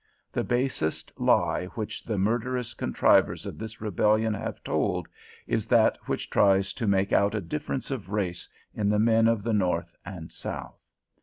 The basest lie which the murderous contrivers of this Rebellion have told is that which tries to make out a difference of race in the men of the North and South.